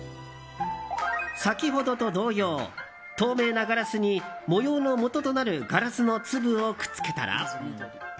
先ほどと同様透明なガラスに模様のもととなるガラスの粒をくっつけたら。